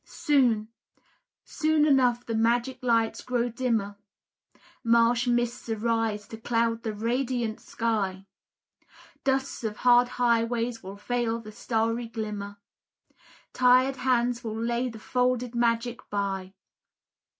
Soon, soon enough the magic lights grow dimmer, Marsh mists arise to cloud the radiant sky, Dust of hard highways will veil the starry glimmer, Tired hands will lay the folded magic by.